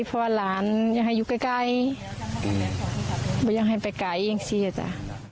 เพราะว่าหลานอยากให้อยู่ใกล้ใกล้ไม่อยากให้ไปไกลเองสิอ่ะจ้ะ